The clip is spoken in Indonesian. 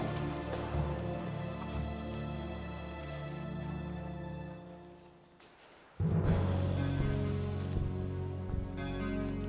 itu ad water